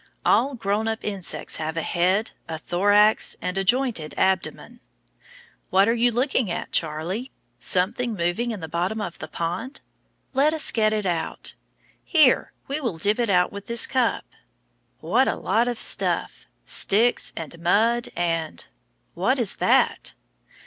All grown up insects have a head, a thorax, and a jointed abdomen. What are you looking at, Charlie? Something moving in the bottom of the pond? Let us get it out. Here, we will dip it out with this cup. What a lot of stuff! Sticks and mud and what is that?